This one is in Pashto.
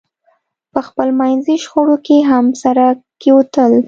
په خپلمنځي شخړو کې هم سره کېوتل.